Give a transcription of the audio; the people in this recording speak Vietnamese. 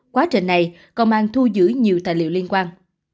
quá trình này công an thu giữ nhiều tài liệu liên quan